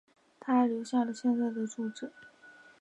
她还留下了现在的住址。